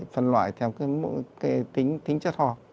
phân loại theo cái tính chất ho